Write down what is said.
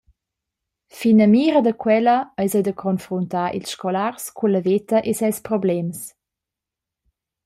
Finamira da quella eis ei da confruntar ils scolars culla veta e ses problems.